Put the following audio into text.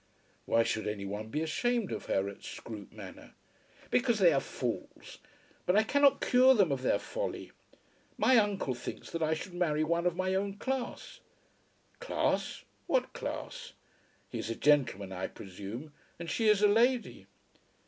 "Why should any one be ashamed of her at Scroope Manor?" "Because they are fools. But I cannot cure them of their folly. My uncle thinks that I should marry one of my own class." "Class; what class? He is a gentleman, I presume, and she is a lady."